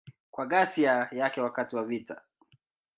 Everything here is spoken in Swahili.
Kwa ghasia yake wakati wa vita.